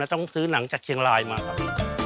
ต้องซื้อหนังจากเชียงรายมาครับ